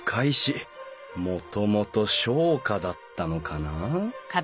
もともと商家だったのかな？